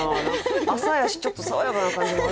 朝やしちょっと爽やかな感じもある。